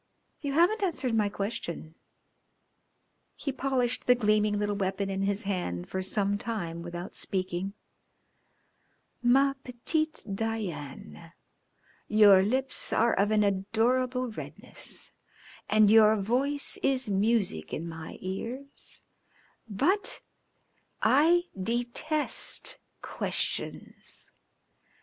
"You haven't answered my question." He polished the gleaming little weapon in his hand for some time without speaking. "Ma petite Diane, your lips are of an adorable redness and your voice is music in my ears, but I detest questions.